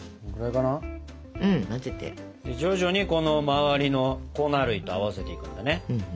徐々にこの周りの粉類と合わせていくんだね。